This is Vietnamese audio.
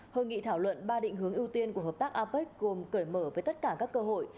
hội nghị thảo luận ba định hướng ưu tiên của hợp tác apec gồm cởi mở với tất cả các cơ hội